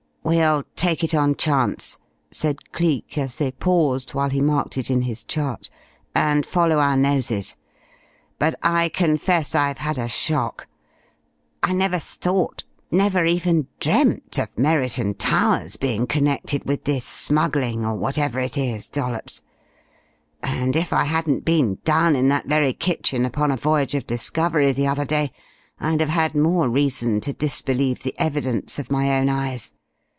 "We'll take it on chance," said Cleek as they paused, while he marked it in his chart, "and follow our noses. But I confess I've had a shock. I never thought never even dreamt of Merriton Towers being connected with this smuggling or, whatever it is, Dollops! And if I hadn't been down in that very kitchen upon a voyage of discovery the other day, I'd have had more reason to disbelieve the evidence of my own eyes.